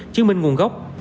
chứng minh nguồn gốc